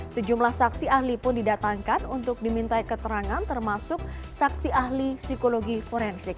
sejumlah saksi ahli pun didatangkan untuk diminta keterangan termasuk saksi ahli psikologi forensik